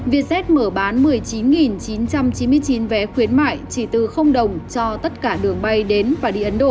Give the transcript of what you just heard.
vietjet mở bán một mươi chín chín trăm chín mươi chín vé khuyến mại chỉ từ đồng cho tất cả đường bay đến và đi ấn độ